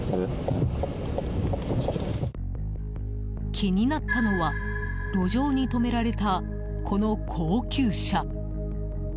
気になったのは路上に止められた、この高級車。